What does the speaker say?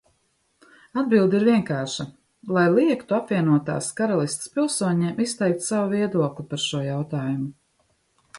Atbilde ir vienkārša: lai liegtu Apvienotās Karalistes pilsoņiem izteikt savu viedokli par šo jautājumu.